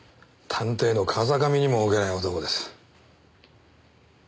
探偵の風上にも置けない男です。